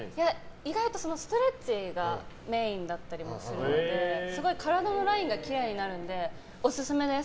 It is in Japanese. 意外とストレッチがメインだったりするので体のラインがきれいになるのでオススメです。